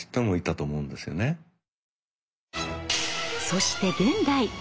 そして現代。